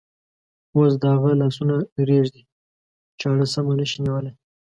اوس د هغه لاسونه رېږدي، چاړه سمه نشي نیولی.